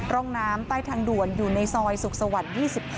ร่องน้ำใต้ทางด่วนอยู่ในซอยสุขสวรรค์๒๖